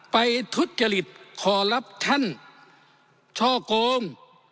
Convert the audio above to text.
ทุจจริตขอรับท่านช่อกง